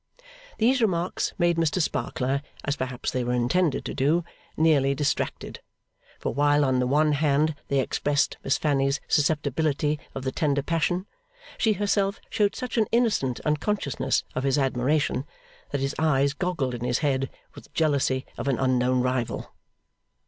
These remarks made Mr Sparkler (as perhaps they were intended to do) nearly distracted; for while on the one hand they expressed Miss Fanny's susceptibility of the tender passion, she herself showed such an innocent unconsciousness of his admiration that his eyes goggled in his head with jealousy of an unknown rival.